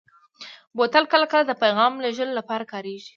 بوتل کله کله د پیغام لېږلو لپاره کارېږي.